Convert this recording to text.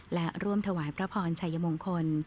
และร่วมถวายพระพรชัยมงคล